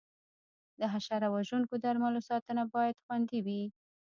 د حشره وژونکو درملو ساتنه باید خوندي وي.